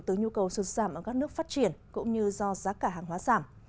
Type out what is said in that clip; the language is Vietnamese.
từ nhu cầu xuất giảm ở các nước phát triển cũng như do giá cả hàng hóa giảm